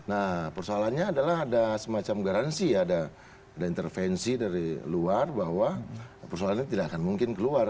nah persoalannya adalah ada semacam garansi ada intervensi dari luar bahwa persoalan ini tidak akan mungkin keluar